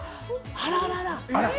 あららら